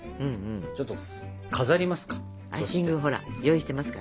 ちょっと飾りますか？